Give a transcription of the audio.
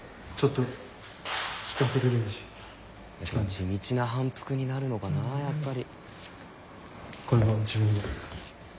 地道な反復になるのかなやっぱり。